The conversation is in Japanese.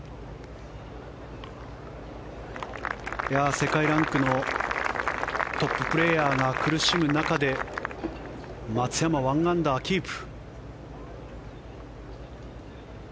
世界ランクのトッププレーヤーが苦しむ中で松山、１アンダーキープ。